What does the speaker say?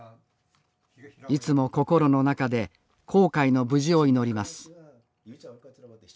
いつも心の中で航海の無事を祈ります